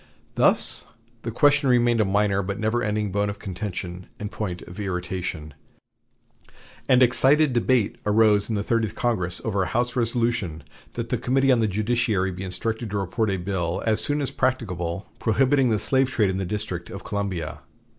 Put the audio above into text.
Thus the question remained a minor but never ending bone of contention and point of irritation, and excited debate arose in the Thirtieth Congress over a House resolution that the Committee on the Judiciary be instructed to report a bill as soon as practicable prohibiting the slave trade in the District of Columbia.